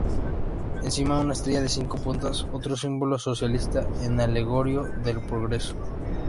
Encima, una estrella de cinco puntas, otro símbolo socialista, en alegoría del progreso.